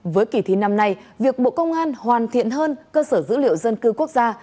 với kỳ thi năm nay việc bộ công an hoàn thiện hơn cơ sở dữ liệu dân cư quốc gia